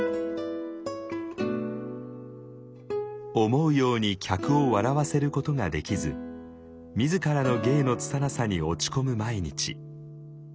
思うように客を笑わせることができず自らの芸のつたなさに落ち込む毎日。